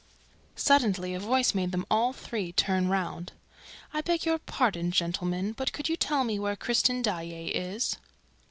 Suddenly a voice made them all three turn round. "I beg your pardon, gentlemen. Could you tell me where Christine Daae is?"